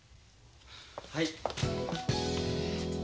はい。